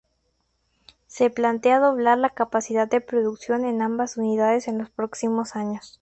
Se plantea doblar la capacidad de producción en ambas unidades en los próximos años.